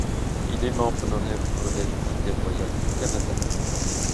Il est membre honoraire du Collège militaire royal du Canada.